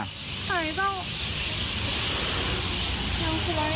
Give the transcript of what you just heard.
ใช่เจ้า